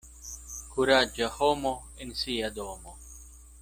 Kuraĝa homo en sia domo.